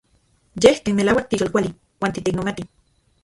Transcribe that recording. Yej ken melauak tiyolkuali uan titeiknomati.